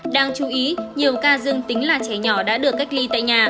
đáng chú ý nhiều ca dương tính là trẻ nhỏ đã được cách ly tại nhà